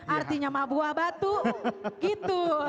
artinya sama buah batu gitu